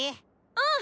うん！